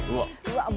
うわっ。